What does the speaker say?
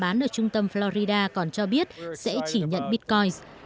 bán ở trung tâm florida còn cho biết sẽ chỉ nhận bitcoin